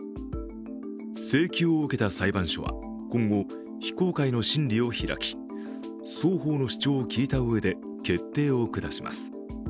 請求を受けた裁判所は今後非公開の審理を開き、双方の主張を聞いた上で決定を下します。